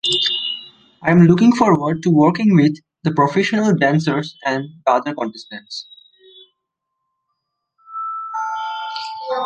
I'm looking forward to working with the professional dancers and the other contestants.